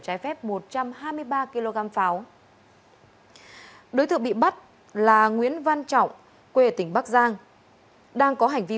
trái phép một trăm hai mươi ba kg pháo đối tượng bị bắt là nguyễn văn trọng quê tỉnh bắc giang đang có hành vi